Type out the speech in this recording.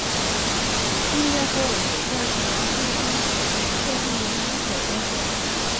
毕业后在沈阳飞机设计研究所工作。